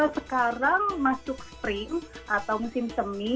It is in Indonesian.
sekarang masuk spring atau musim semi